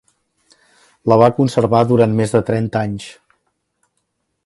La va conservar durant més de trenta anys.